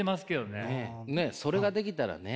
ねっそれができたらね。